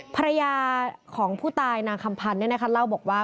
ภรรยาของผู้ตายนางคำพันธ์เล่าบอกว่า